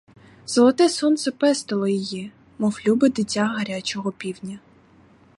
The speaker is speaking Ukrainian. Золоте сонце пестило її, мов любе дитя гарячого півдня.